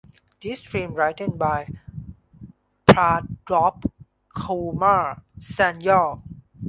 This film written by Prabodh kumar Sanyal.